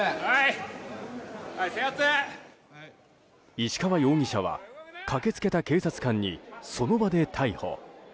石川容疑者は駆け付けた警察官にその場で逮捕。